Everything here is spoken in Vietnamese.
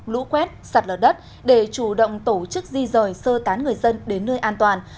lũ quét sạt lở đất để chủ động tổ chức di rời sơ tán người dân đến nơi an toàn